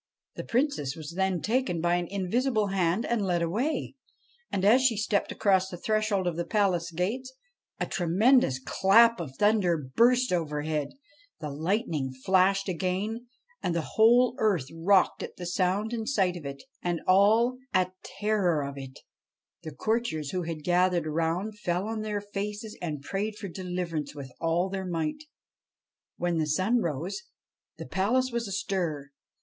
The Princess was then taken by an invisible hand and led away ; and, as she stepped across the threshold of the palace gates, a tremendous clap of thunder burst overhead ; the lightning flashed again, and the whole earth rocked at the sound and sight of it ; and, at terror of it, the courtiers who had gathered round fell on their faces and prayed for deliverance with all their might. When the sun rose, the palace was still astir.